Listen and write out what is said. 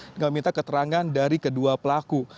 dengan meminta keterangan dari kedua pelaku